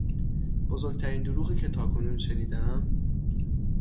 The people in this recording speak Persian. بزرگترین دروغی که تاکنون شنیدهام